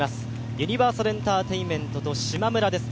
ユニバーサルエンターテインメントとしまむらです。